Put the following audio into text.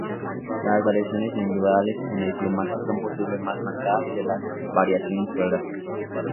Las variaciones individuales en el plumaje son posiblemente más marcadas que las variaciones geográficas.